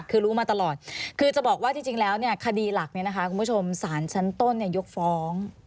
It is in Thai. คือรู้มาตลอดคือจะบอกว่าจริงแล้วเนี่ยคดีหลักเนี่ยนะคะคุณผู้ชมสารชั้นต้นยกฟ้อง